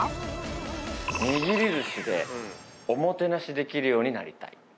握り寿司でおもてなしできるようになりたい。